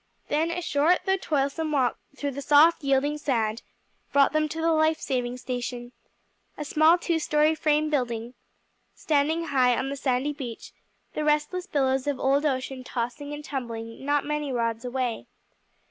Then a short, though toilsome walk through the soft yielding sand brought them to the life saving station, a small two story frame building standing high on the sandy beach, the restless billows of old ocean tossing and tumbling not many rods away.